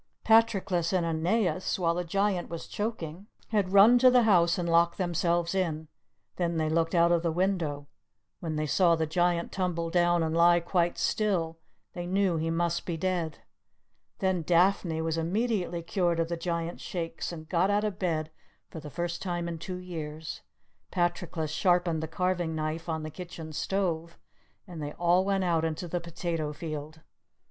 Patroclus and Aeneas, while the Giant was choking, had run to the house and locked themselves in; then they looked out of the window; when they saw the Giant tumble down and lie quite still, they knew he must be dead. Then Daphne was immediately cured of the Giant's Shakes, and got out of bed for the first time in two years. Patroclus sharpened the carving knife on the kitchen stove, and they all went out into the potato field.